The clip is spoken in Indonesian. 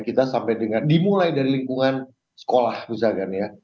kita sampai dengan dimulai dari lingkungan sekolah misalkan ya